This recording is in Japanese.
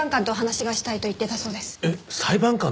えっ裁判官と？